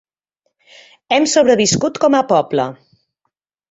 Hem sobreviscut com a poble.